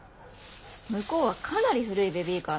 向こうはかなり古いベビーカーね。